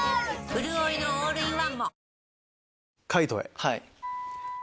うるおいのオールインワンも！